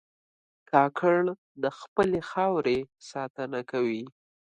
کاکړ د خپلې خاورې ساتنه کوي.